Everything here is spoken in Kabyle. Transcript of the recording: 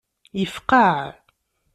Yefqaɛ.